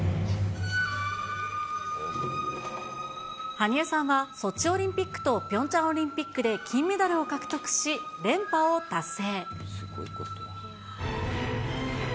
羽生さんは、ソチオリンピックとピョンチャンオリンピックで金メダルを獲得し、連覇を達成。